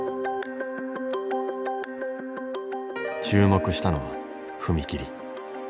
注目したのは踏み切り。